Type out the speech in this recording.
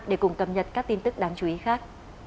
để cùng cập nhật các tin tức đáng chú ý khác